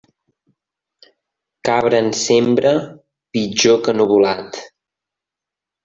Cabra en sembra, pitjor que nuvolat.